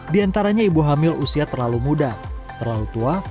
di antaranya ibu hamil usia terlalu muda terlalu tua